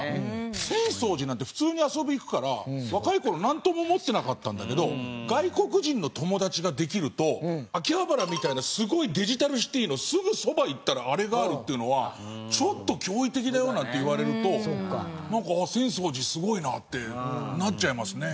浅草寺なんて普通に遊び行くから若い頃なんとも思ってなかったんだけど外国人の友達ができると秋葉原みたいなすごいデジタルシティーのすぐそば行ったらあれがあるっていうのはちょっと驚異的だよなんて言われるとなんかあっ浅草寺すごいなってなっちゃいますね。